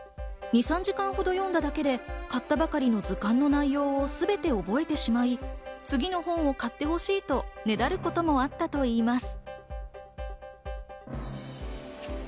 ２３時間ほど読んだだけで、買ったばかりの図鑑の内容をすべて覚えてしまい、次の本を買ってほしいとねだることもあったといいます。